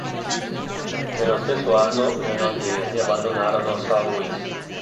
Nello stesso anno, gli olandesi abbandonarono São Luís.